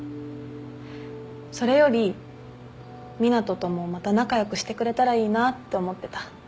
それより湊斗ともまた仲良くしてくれたらいいなって思ってた。